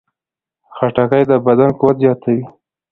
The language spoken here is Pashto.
خټکی د بدن قوت زیاتوي.